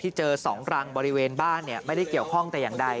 ที่เจอสองรังบริเวณบ้านเนี่ยไม่ได้เกี่ยวข้องแต่อย่างใด